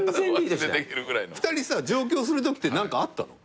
２人上京するときって何かあったの？